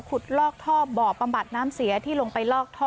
ลอกท่อบ่อบำบัดน้ำเสียที่ลงไปลอกท่อ